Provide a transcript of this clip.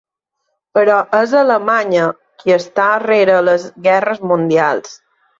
Però és Alemanya qui estar rere les guerres mundials.